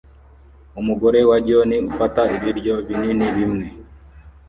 Umugore wa john ufata ibiryo binini bimwe